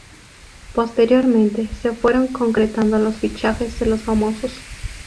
Posteriormente se fueron concretando los fichajes de los famosos.